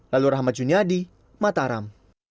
lalu rahmat junyadi mataram